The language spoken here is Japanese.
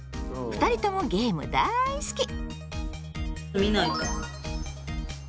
２人ともゲーム大好き。